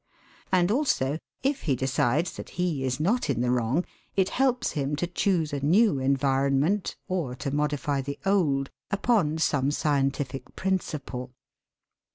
And also, if he decides that he is not in the wrong, it helps him to choose a new environment, or to modify the old, upon some scientific principle.